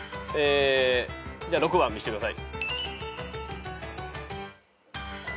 じゃ６番見してください。